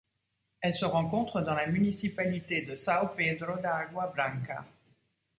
Elle se rencontre dans la municipalité de São Pedro da Água Branca.